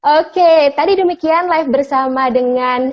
oke tadi demikian live bersama dengan